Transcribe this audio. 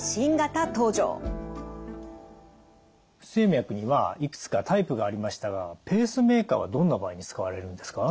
不整脈にはいくつかタイプがありましたがペースメーカーはどんな場合に使われるんですか？